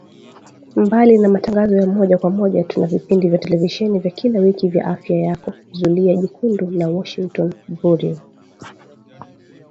Mbali na matangazo ya moja kwa moja tuna vipindi vya televisheni vya kila wiki vya Afya Yako, Zulia Jekundu na Washington Bureau